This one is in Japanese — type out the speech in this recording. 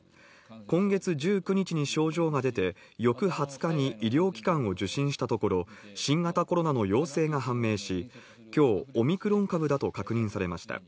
今月１９日に症状が出て、翌２０日に医療機関を受診したところ、新型コロナの陽性が判明し、きょう、オミクロン株だと確認されました。